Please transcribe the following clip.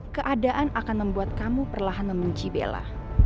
keadaan akan membuat kamu perlahan membenci bella